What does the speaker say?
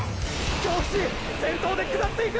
京伏先頭で下っていく！！